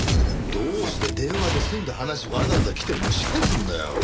どうして電話で済んだ話わざわざ来て蒸し返すんだよ。